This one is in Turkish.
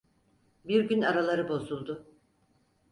Bir gün araları bozuldu…